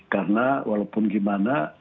karena walaupun gimana